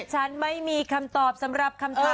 ฉันไม่มีคำตอบสำหรับคำตอบ